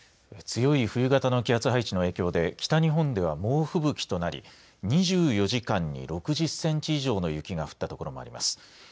強い冬型の気圧配置の影響で北日本では猛吹雪となり２４時間に６０センチ以上の雪が降った所もあります。